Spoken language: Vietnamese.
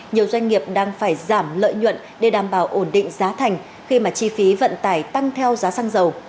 nhiều doanh nghiệp đang phải giảm lợi nhuận để đảm bảo ổn định giá thành khi mà chi phí vận tải tăng theo giá xăng dầu